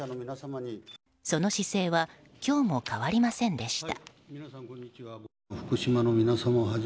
その姿勢は今日も変わりませんでした。